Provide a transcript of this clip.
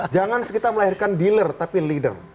jangan kita melahirkan dealer tapi leader